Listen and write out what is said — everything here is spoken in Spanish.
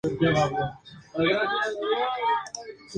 El "hard dance" es un movimiento típico de la música underground.